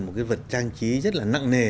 một cái vật trang trí rất là nặng nề